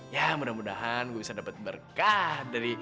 ya mudah mudahan gue bisa dapet berkah